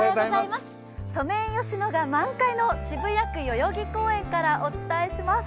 ソメイヨシノが満開の渋谷区・代々木公園からお伝えします。